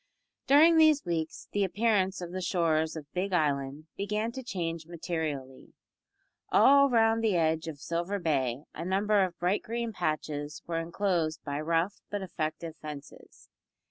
During these weeks the appearance of the shores of Big Island began to change materially. All round the edge of Silver Bay a number of bright green patches were enclosed by rough but effective fences.